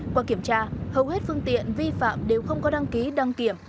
qua kiểm tra hầu hết phương tiện vi phạm đều không có đăng ký đăng kiểm